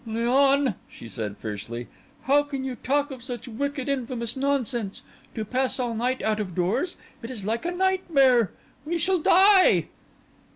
"Léon," she said fiercely, "how can you talk such wicked, infamous nonsense? To pass all night out of doors—it is like a nightmare! We shall die."